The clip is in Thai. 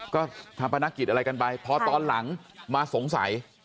ก็ทำพนักกิจอะไรกันไปพอตอนหลังมาสงสัย